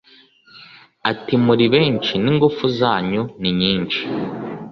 ati muri benshi, n'ingufu zanyu ni nyinshi